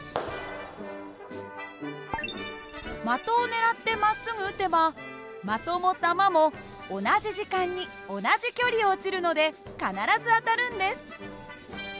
的を狙ってまっすぐ撃てば的も球も同じ時間に同じ距離落ちるので必ず当たるんです。